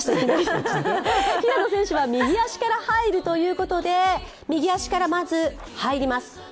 平野選手は右足から入るということで、右足からまず入ります。